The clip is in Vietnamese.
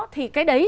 thì cái đấy